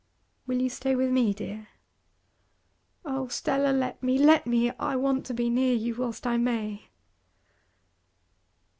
'Will you stay with me, dear?' 'Oh, Stella, let me, let me! I want to be near to you whilst I may!